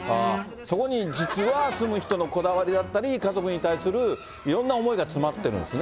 そこに実は住む人のこだわりだったり、家族に対するいろんな思いが詰まってるんですね。